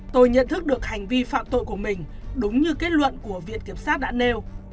tôi nhận thức được hành vi phạm tội của mình đúng như kết luận của viện kiểm sát đã nêu